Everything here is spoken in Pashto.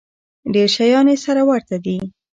ډېر شیان یې سره ورته دي.